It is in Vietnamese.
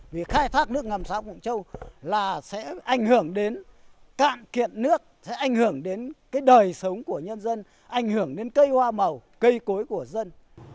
vì khai thác nước ngầm xã vũng châu là sẽ ảnh hưởng đến cạn kiệt nước sẽ ảnh hưởng đến cái đời sống của nhân dân ảnh hưởng đến cây hoa màu cây cối của dân